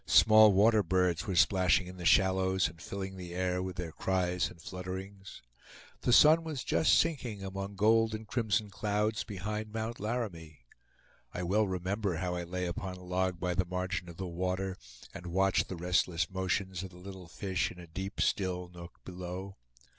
Small water birds were splashing in the shallows, and filling the air with their cries and flutterings. The sun was just sinking among gold and crimson clouds behind Mount Laramie. I well remember how I lay upon a log by the margin of the water, and watched the restless motions of the little fish in a deep still nook below.